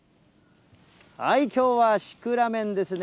きょうはシクラメンですね。